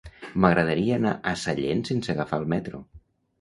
M'agradaria anar a Sallent sense agafar el metro.